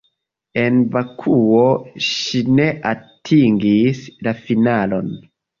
En Bakuo ŝi ne atingis la finalon.